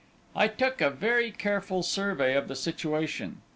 "I took a very careful survey of the situation.